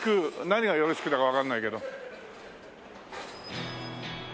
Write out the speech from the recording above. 何がよろしくだかわからないけど。